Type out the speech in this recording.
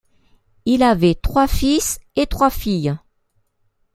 Il avait trois fils et trois filles.